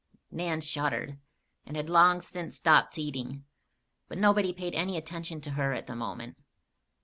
Nan shuddered, and had long since stopped eating. But nobody paid any attention to her at the moment.